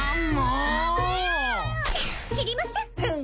知りません！